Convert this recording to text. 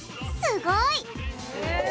すごいね。